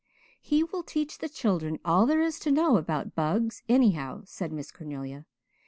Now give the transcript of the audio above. '" "He will teach the children all there is to know about bugs, anyhow," said Miss Cornelia.